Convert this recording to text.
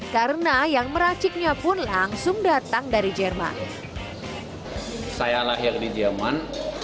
karena yang meraciknya pun langsung datang dari jerman